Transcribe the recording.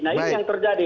nah ini yang terjadi